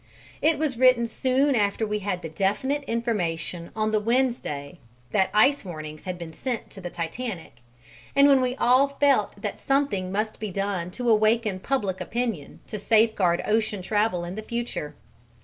It was written soon after we had the definite information on the Wednesday that ice warnings had been sent to the Titanic, and when we all felt that something must be done to awaken public opinion to safeguard ocean travel in the future.